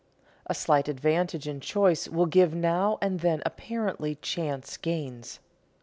A slight advantage in choice will give now and then apparently chance gains.